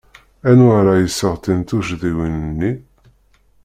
Anwa ara iseɣtin tuccḍiwin-nni?